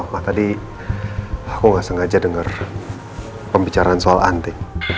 ma tadi aku nggak sengaja dengar pembicaraan soal andi